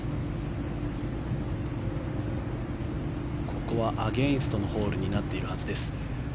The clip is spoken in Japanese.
ここはアゲンストのホールになっているはずです。